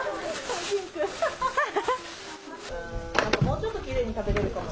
もうちょっときれいに食べれるかも。